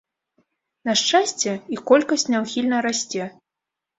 На шчасце, іх колькасць няўхільна расце.